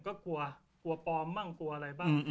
ก็กลัวกลัวปลอมบ้างกลัวอะไรบ้าง